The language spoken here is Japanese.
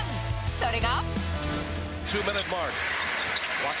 それが。